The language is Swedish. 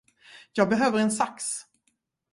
Jag behöver en sax.